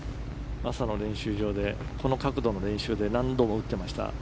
朝の練習場でこの角度の練習で何度も打っていました。